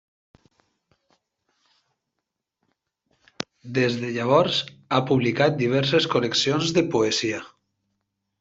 Des de llavors ha publicat diverses col·leccions de poesia.